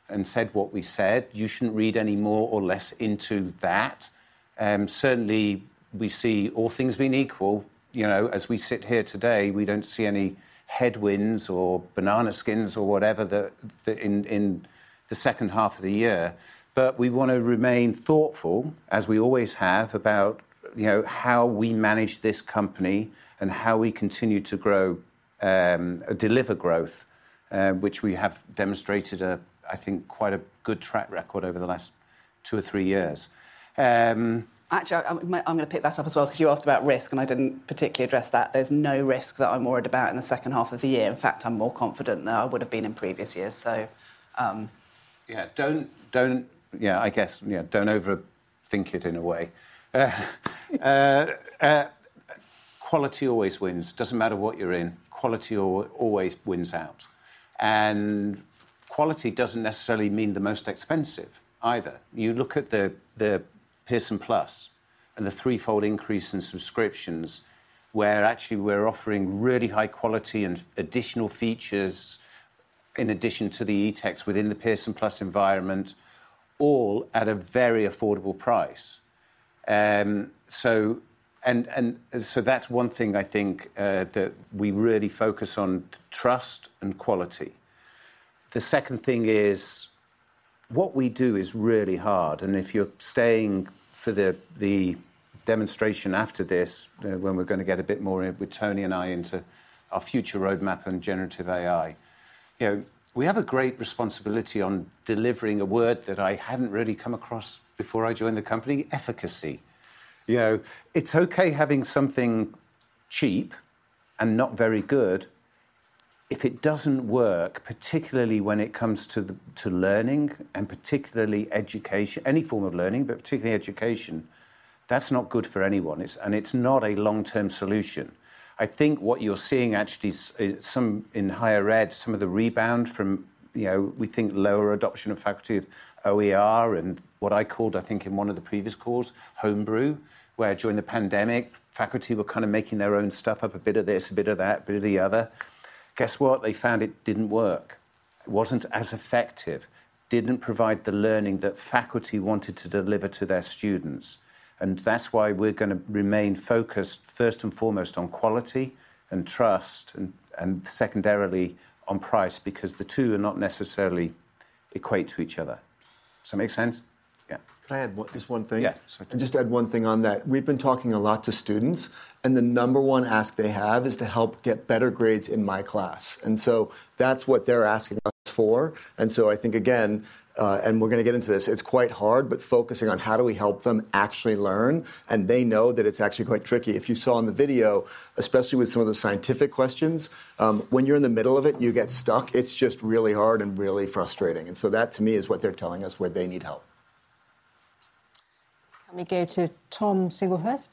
and said what we said. You shouldn't read any more or less into that. Certainly, we see all things being equal. You know, as we sit here today, we don't see any headwinds or banana skins or whatever the, the, in, in the second half of the year. We wanna remain thoughtful, as we always have, about, you know, how we manage this company and how we continue to grow, deliver growth, which we have demonstrated a, I think, quite a good track record over the last two or three years. Actually, I, I'm, I'm gonna pick that up as well, 'cause you asked about risk. I didn't particularly address that. There's no risk that I'm worried about in the second half of the year. In fact, I'm more confident than I would've been in previous years. Yeah, don't, don't-- Yeah, I guess, yeah, don't overthink it in a way. quality always wins. Doesn't matter what you're in, quality always wins out. Quality doesn't necessarily mean the most expensive either. You look at the, the Pearson+ and the threefold increase in subscriptions, where actually we're offering really high quality and additional features in addition to the eText within the Pearson+ environment, all at a very affordable price., and so that's one thing I think that we really focus on: trust and quality. The second thing is, what we do is really hard, and if you're staying for the, the demonstration after this, when we're gonna get a bit more with Tony and I into our future roadmap on generative AI. You know, we have a great responsibility on delivering a word that I hadn't really come across before I joined the company: efficacy. You know, it's okay having something cheap and not very good. If it doesn't work, particularly when it comes to the, to learning, and particularly education, any form of learning, but particularly education, that's not good for anyone. It's not a long-term solution. I think what you're seeing actually some in Higher Ed, some of the rebound from, you know, we think lower adoption of faculty of OER and what I called, I think, in one of the previous calls, home brew, where during the pandemic, faculty were kind of making their own stuff up, a bit of this, a bit of that, a bit of the other. Guess what? They found it didn't work. It wasn't as effective, didn't provide the learning that faculty wanted to deliver to their students. That's why we're gonna remain focused, first and foremost, on quality and trust. Secondarily, on price, because the two are not necessarily equate to each other. Does that make sense? Yeah. Can I add one, just one thing? Yeah. Just add one thing on that. We've been talking a lot to students, the number one ask they have is to help get better grades in my class, that's what they're asking us for. I think, again, we're gonna get into this, it's quite hard, but focusing on how do we help them actually learn, and they know that it's actually quite tricky. If you saw in the video, especially with some of the scientific questions, when you're in the middle of it, and you get stuck, it's just really hard and really frustrating, that, to me, is what they're telling us where they need help. Let me go to Tom Singlehurst.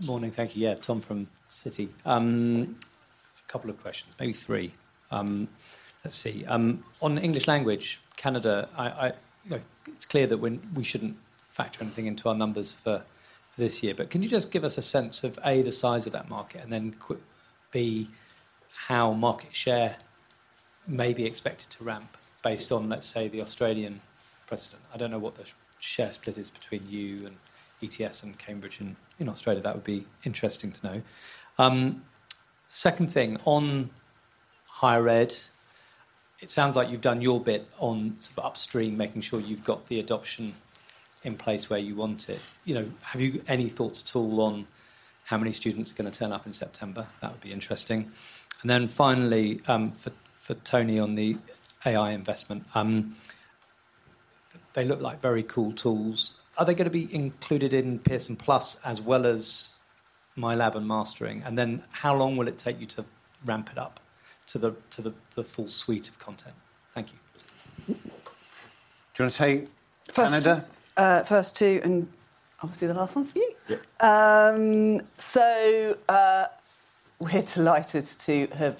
Morning. Thank you. Tom, from Citi. A couple of questions, maybe 3. Let's see. On English language, Canada, you know, it's clear that when we shouldn't factor anything into our numbers for this year, but can you just give us a sense of, A, the size of that market, and then quick, B, how market share may be expected to ramp based on, let's say, the Australian precedent? I don't know what the share split is between you and ETS and Cambridge in Australia. That would be interesting to know. Second thing, on Higher Ed, it sounds like you've done your bit on sort of upstream, making sure you've got the adoption in place where you want it. You know, have you any thoughts at all on how many students are gonna turn up in September? That would be interesting. Finally, for Tony, on the AI investment, they look like very cool tools. Are they gonna be included in Pearson+ as well as MyLab and Mastering? How long will it take you to ramp it up to the full suite of content? Thank you. Do you wanna take- First-... Canada? First 2, and obviously the last one's for you? Yeah. We're delighted to have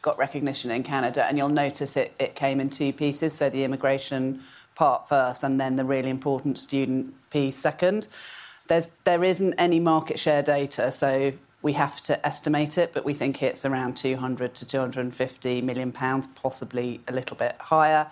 got recognition in Canada, and you'll notice it, it came in 2 pieces, so the immigration part first and then the really important student piece second. There isn't any market share data, so we have to estimate it, but we think it's around 200 million-250 million pounds, possibly a little bit higher.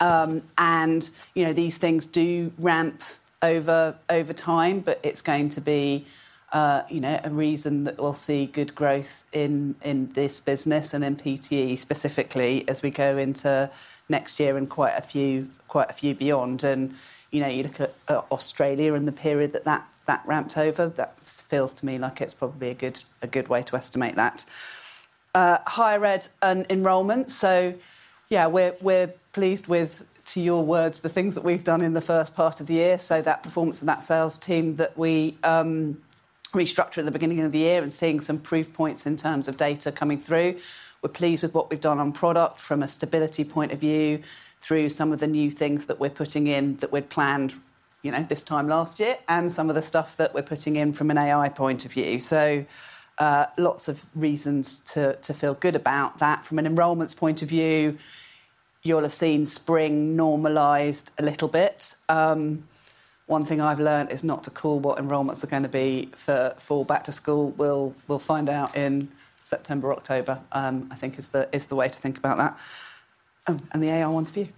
You know, these things do ramp over, over time, but it's going to be, you know, a reason that we'll see good growth in this business and in PTE specifically as we go into next year and quite a few, quite a few beyond. You know, you look at Australia and the period that, that, that ramped over, that feels to me like it's probably a good, a good way to estimate that. higher ed and enrollment. Yeah, we're, we're pleased with, to your words, the things that we've done in the first part of the year. That performance and that sales team that we restructured at the beginning of the year and seeing some proof points in terms of data coming through. We're pleased with what we've done on product from a stability point of view, through some of the new things that we're putting in that we'd planned, you know, this time last year, and some of the stuff that we're putting in from an AI point of view. Lots of reasons to, to feel good about that. From an enrollments point of view, you'll have seen spring normalized a little bit. One thing I've learned is not to call what enrollments are gonna be for fall back to school. We'll, we'll find out in September, October, I think is the, is the way to think about that. The AI one's for you.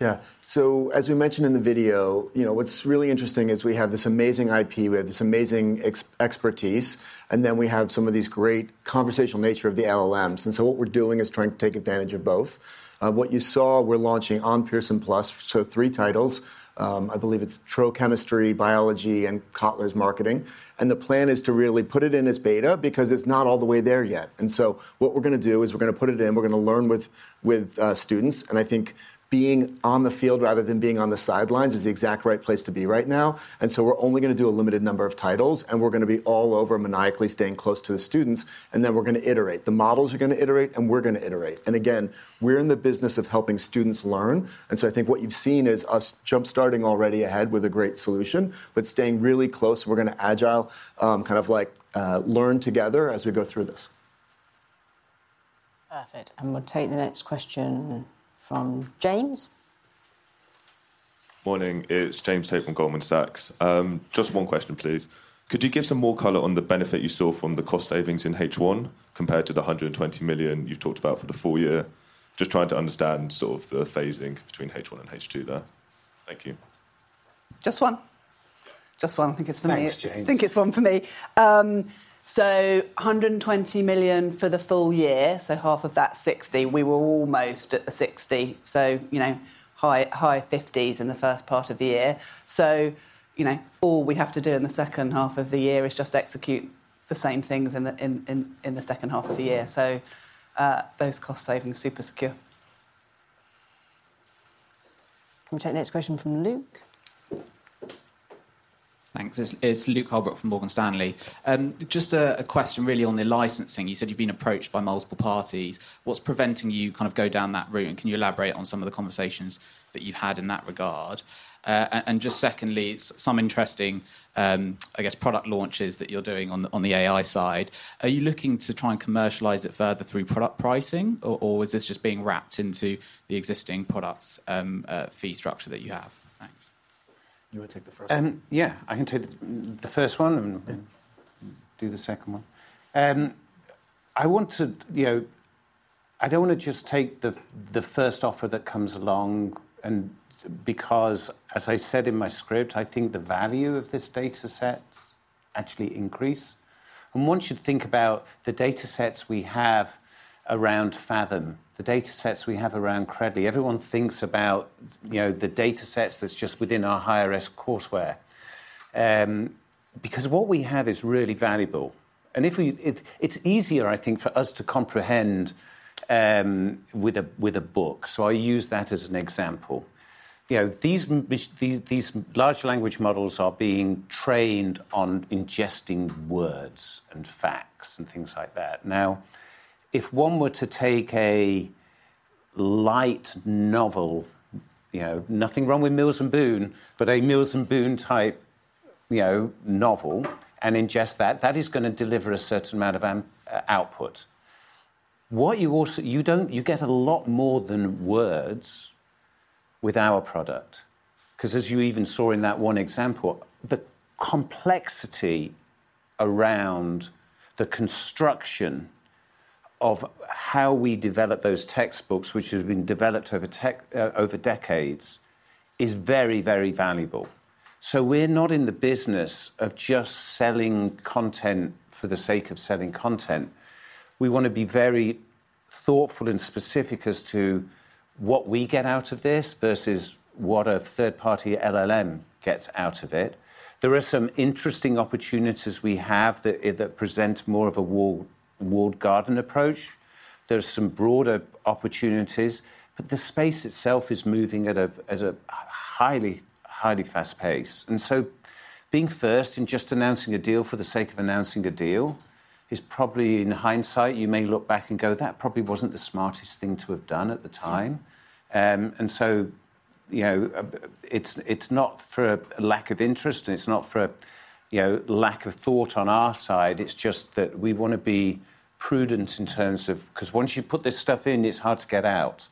Yeah. So as we mentioned in the video, you know, what's really interesting is we have this amazing IP, we have this amazing expertise, and then we have some of these great conversational nature of the LLMs. What we're doing is trying to take advantage of both. What you saw, we're launching on Pearson+, so three titles. I believe it's Tro Chemistry, Biology, and Kotler's Marketing. The plan is to really put it in as beta because it's not all the way there yet. What we're gonna do is we're gonna put it in, we're gonna learn with, with students, and I think being on the field rather than being on the sidelines is the exact right place to be right now. We're only gonna do a limited number of titles, and we're gonna be all over, maniacally staying close to the students, and then we're gonna iterate. The models are gonna iterate, and we're gonna iterate. Again, we're in the business of helping students learn, I think what you've seen is us jumpstarting already ahead with a great solution, but staying really close. We're gonna agile, kind of like, learn together as we go through this. Perfect, and we'll take the next question from James. Morning, it's James Tate from Goldman Sachs. Just one question, please. Could you give some more color on the benefit you saw from the cost savings in H1 compared to the 120 million you've talked about for the full year? Just trying to understand sort of the phasing between H1 and H2 there. Thank you. Just one? Just one, I think it's for me. Thanks, James. I think it's one for me. 120 million for the full year, so half of that 60, we were almost at the 60. You know, high, high fifties in the first part of the year. You know, all we have to do in the second half of the year is just execute the same things in the, in, in, in the second half of the year. Those cost savings, super secure. Can we take the next question from Luke? Thanks. It's, it's Luke Harwood from Morgan Stanley. Just a question really on the licensing. You said you've been approached by multiple parties. What's preventing you kind of go down that route, and can you elaborate on some of the conversations that you've had in that regard? Just secondly, some interesting, I guess, product launches that you're doing on the AI side. Are you looking to try and commercialize it further through product pricing, or, or is this just being wrapped into the existing products', fee structure that you have? Thanks. You want to take the first one? Yeah, I can take the, the first one and do the second one. I want to... You know, I don't want to just take the, the first offer that comes along, because, as I said in my script, I think the value of this data sets actually increase. One should think about the data sets we have around Faethm, the data sets we have around Credly. Everyone thinks about, you know, the data sets that's just within our higher ed courseware. Because what we have is really valuable, and if we- it, it's easier, I think, for us to comprehend, with a, with a book, so I use that as an example. You know, these m- these, these large language models are being trained on ingesting words and facts and things like that. Now, if one were to take a light novel, you know, nothing wrong with Mills & Boon, but a Mills & Boon type, you know, novel and ingest that, that is gonna deliver a certain amount of output. What you also- you don't- you get a lot more than words with our product, 'cause as you even saw in that one example, the complexity around the construction of how we develop those textbooks, which has been developed over tech- over decades, is very, very valuable. We're not in the business of just selling content for the sake of selling content. We want to be very thoughtful and specific as to what we get out of this versus what a third-party LLM gets out of it. There are some interesting opportunities we have that, that present more of a wall- walled garden approach. There are some broader opportunities, but the space itself is moving at a highly, highly fast pace. Being first and just announcing a deal for the sake of announcing a deal is probably, in hindsight, you may look back and go, "That probably wasn't the smartest thing to have done at the time." You know, it's not for a lack of interest, and it's not for a, you know, lack of thought on our side. It's just that we wanna be prudent in terms of 'Cause once you put this stuff in, it's hard to get out,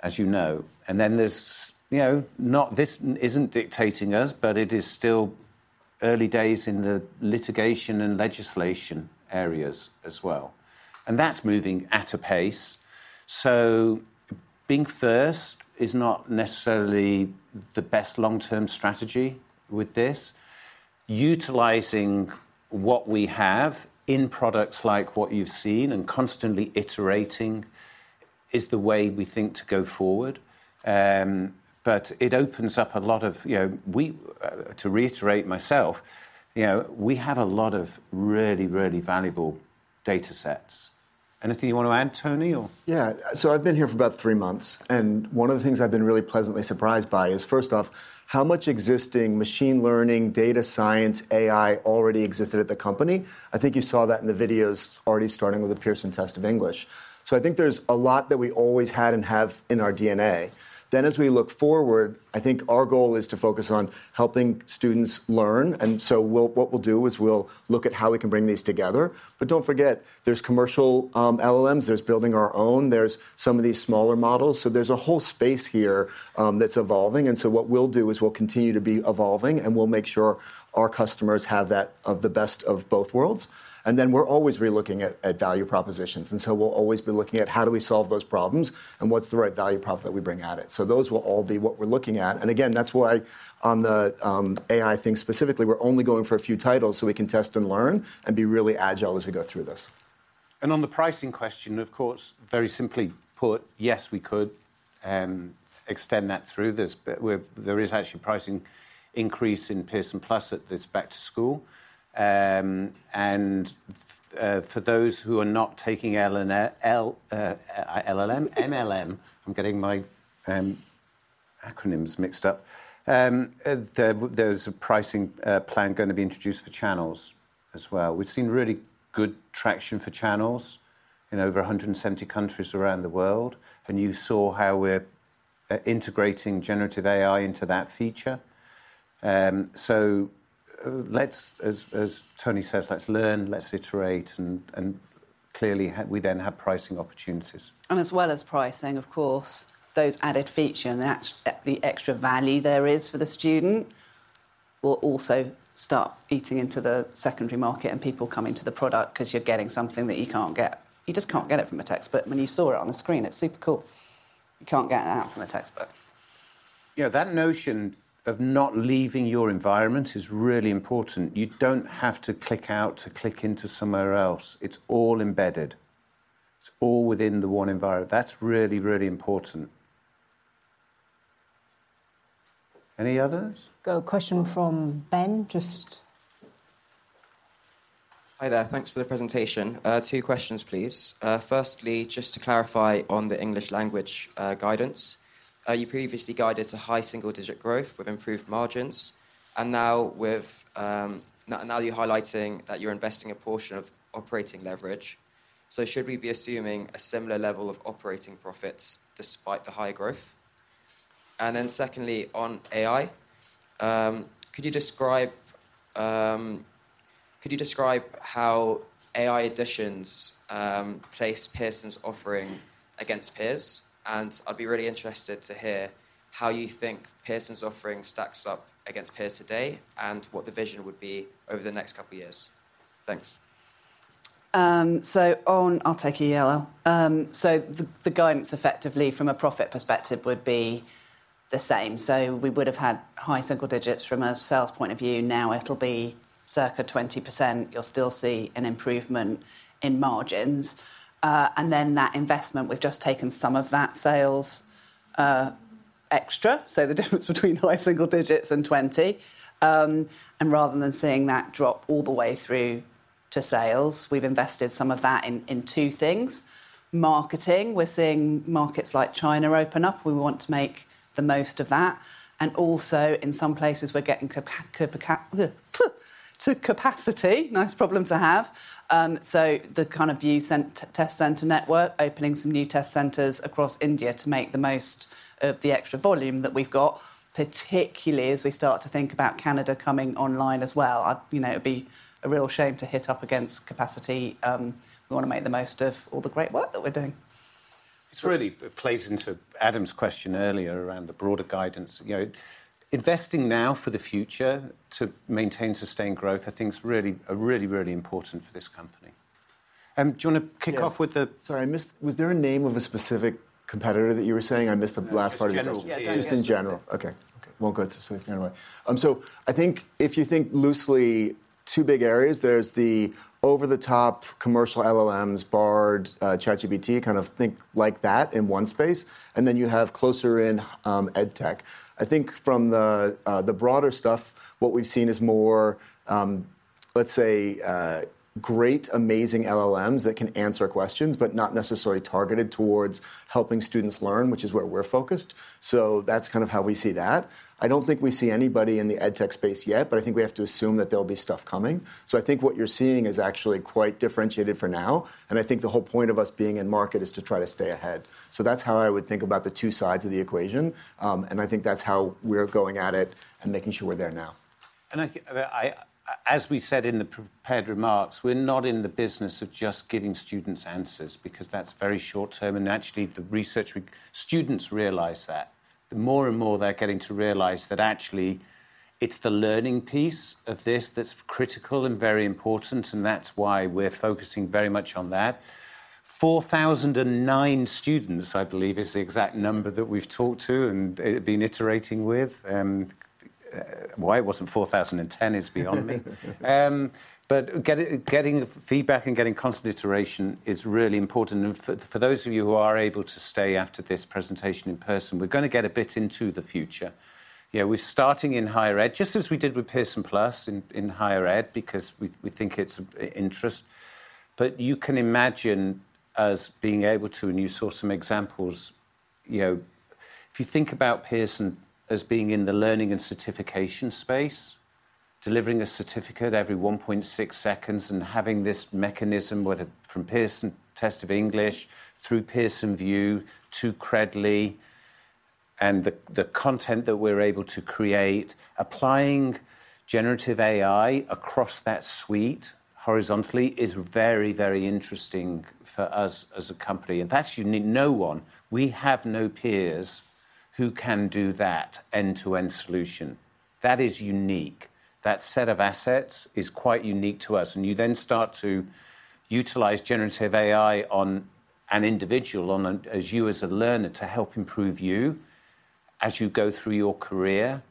as you know. There's, you know, this isn't dictating us, but it is still early days in the litigation and legislation areas as well, and that's moving at a pace. Being first is not necessarily the best long-term strategy with this. Utilizing what we have in products like what you've seen and constantly iterating- is the way we think to go forward. It opens up a lot of, you know, we, to reiterate myself, you know, we have a lot of really, really valuable data sets. Anything you want to add, Tony, or? Yeah. I've been here for about three months, and one of the things I've been really pleasantly surprised by is, first off, how much existing machine learning, data science, AI already existed at the company. I think you saw that in the videos already starting with the Pearson Test of English. I think there's a lot that we always had and have in our DNA. As we look forward, I think our goal is to focus on helping students learn, and so what we'll do is we'll look at how we can bring these together. Don't forget, there's commercial LLMs, there's building our own, there's some of these smaller models. There's a whole space here that's evolving, and so what we'll do is we'll continue to be evolving, and we'll make sure our customers have that, of the best of both worlds. Then we're always relooking at, at value propositions, and so we'll always be looking at how do we solve those problems, and what's the right value prop that we bring at it? Those will all be what we're looking at. Again, that's why on the AI thing, specifically, we're only going for a few titles so we can test and learn and be really agile as we go through this. On the pricing question, of course, very simply put, yes, we could extend that through this. We're there is actually a pricing increase in Pearson+ at this back to school. For those who are not taking L and L, LLM, MLM, I'm getting my acronyms mixed up. There's a pricing plan going to be introduced for Channels as well. We've seen really good traction for Channels in over 170 countries around the world, and you saw how we're integrating generative AI into that feature. Let's as, as Tony says, let's learn, let's iterate, and clearly, we then have pricing opportunities. As well as pricing, of course, those added feature and the extra value there is for the student will also start eating into the secondary market and people coming to the product because you're getting something that you can't get. You just can't get it from a textbook. When you saw it on the screen, it's super cool. You can't get that from a textbook. You know, that notion of not leaving your environment is really important. You don't have to click out to click into somewhere else. It's all embedded. It's all within the one environment. That's really, really important. Any others? Got a question from Ben, just... Hi there. Thanks for the presentation. two questions, please. Firstly, just to clarify on the English language guidance, you previously guided to high single-digit growth with improved margins, and now with... Now, now you're highlighting that you're investing a portion of operating leverage. Should we be assuming a similar level of operating profits despite the high growth? Secondly, on AI, could you describe, could you describe how AI editions, place Pearson's offering against peers? I'd be really interested to hear how you think Pearson's offering stacks up against peers today and what the vision would be over the next couple of years. Thanks. I'll take it, yeah. The guidance, effectively, from a profit perspective, would be the same. We would have had high single digits from a sales point of view. It'll be circa 20%. You'll still see an improvement in margins. Then that investment, we've just taken some of that sales, extra. The difference between the high single digits and 20%. Rather than seeing that drop all the way through to sales, we've invested some of that in, in two things. Marketing, we're seeing markets like China open up. We want to make the most of that, and also in some places, we're getting to capacity. Nice problem to have. The kind of view test center network, opening some new test centers across India to make the most of the extra volume that we've got, particularly as we start to think about Canada coming online as well. You know, it'd be a real shame to hit up against capacity. We want to make the most of all the great work that we're doing. This really plays into Adam's question earlier around the broader guidance. You know, investing now for the future to maintain sustained growth, I think, is really, really, really important for this company. Do you want to kick off with the? Sorry, I missed-- Was there a name of a specific competitor that you were saying? I missed the last part of your question. Just in general. Yeah. Just in general. Okay. Okay, won't go to specific anyway. I think if you think loosely, two big areas, there's the over-the-top commercial LLMs, Bard, ChatGPT, kind of think like that in one space, and then you have closer in, edtech. I think from the broader stuff, what we've seen is more, let's say, great, amazing LLMs that can answer questions, but not necessarily targeted towards helping students learn, which is where we're focused. That's kind of how we see that. I don't think we see anybody in the edtech space yet, but I think we have to assume that there'll be stuff coming. I think what you're seeing is actually quite differentiated for now, and I think the whole point of us being in market is to try to stay ahead. That's how I would think about the two sides of the equation. And I think that's how we're going at it and making sure we're there now. I think, as we said in the prepared remarks, we're not in the business of just giving students answers, because that's very short term, and actually, students realize that. The more and more they're getting to realize that actually, it's the learning piece of this that's critical and very important, and that's why we're focusing very much on that. 4,009 students, I believe, is the exact number that we've talked to and been iterating with, why it wasn't 4,010 is beyond me. Getting feedback and getting constant iteration is really important. For, for those of you who are able to stay after this presentation in person, we're gonna get a bit into the future. Yeah, we're starting in higher ed, just as we did with Pearson+ in, in higher ed, because we, we think it's of interest. You can imagine us being able to, and you saw some examples, you know, if you think about Pearson as being in the learning and certification space, delivering a certificate every 1.6 seconds and having this mechanism, whether from Pearson Test of English, through Pearson VUE to Credly, and the, the content that we're able to create, applying generative AI across that suite horizontally is very, very interesting for us as a company, and that's unique. No one. We have no peers who can do that end-to-end solution. That is unique. That set of assets is quite unique to us, and you then start to utilize generative AI on an individual, as you as a learner, to help improve you as you go through your career.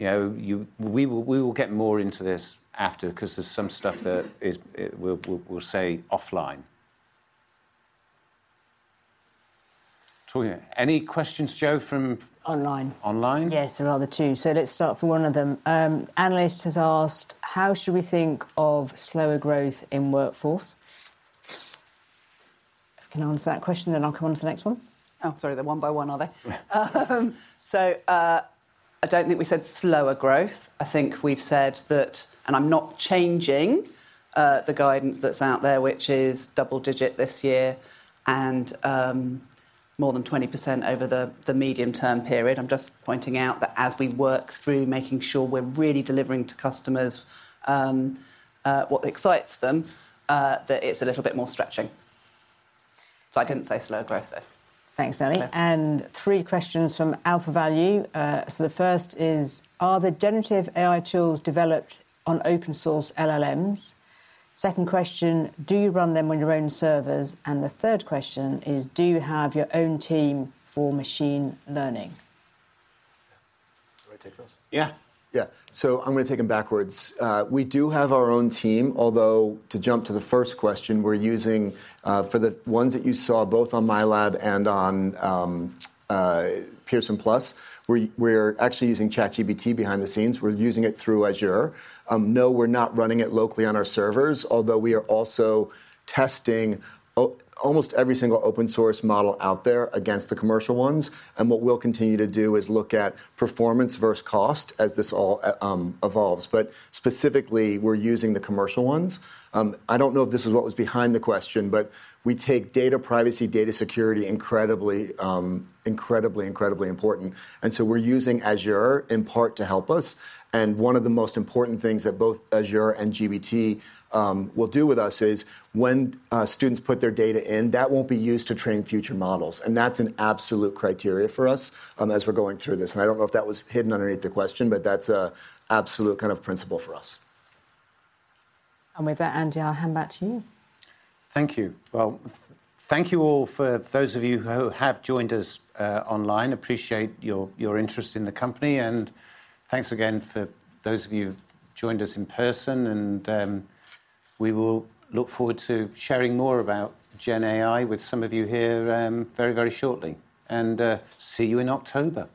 You know, we will, we will get more into this after 'cause there's some stuff that is, we'll, we'll, we'll say offline. Toya, any questions, Jo, from- Online. Online? Yes, there are the two, so let's start from one of them. Analyst has asked: How should we think of slower growth in Workforce Skills? If you can answer that question, then I'll come on to the next one. Oh, sorry, they're one by one, are they? Yeah. I don't think we said slower growth. I think we've said that, and I'm not changing the guidance that's out there, which is double-digit this year, and more than 20% over the medium-term period. I'm just pointing out that as we work through making sure we're really delivering to customers, what excites them, that it's a little bit more stretching. I didn't say slower growth, though. Thanks, Sally. Okay. Three questions from AlphaValue. The first is: Are the generative AI tools developed on open source LLMs? Second question: Do you run them on your own servers? The third question is: Do you have your own team for machine learning? Do you want me to take those? Yeah. So I'm gonna take 'em backwards. We do have our own team, although, to jump to the first question, we're using, for the ones that you saw, both on MyLab and on Pearson+, we're actually using ChatGPT behind the scenes. We're using it through Azure. No, we're not running it locally on our servers, although we are also testing almost every single open source model out there against the commercial ones, and what we'll continue to do is look at performance versus cost as this all evolves. Specifically, we're using the commercial ones. I don't know if this is what was behind the question, but we take data privacy, data security, incredibly, incredibly, incredibly important, and so we're using Azure in part to help us. One of the most important things that both Azure and GPT will do with us is when students put their data in, that won't be used to train future models, and that's an absolute criteria for us as we're going through this. I don't know if that was hidden underneath the question, but that's a absolute kind of principle for us. With that, Andy, I'll hand back to you. Thank you. Well, thank you all for those of you who have joined us online. Appreciate your, your interest in the company, and thanks again for those of you who've joined us in person and we will look forward to sharing more about GenAI with some of you here very, very shortly. See you in October!